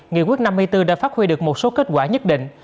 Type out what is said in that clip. nghị quyết năm mươi bốn đã phát huy được một số kết quả nhất định